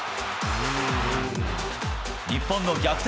日本の逆転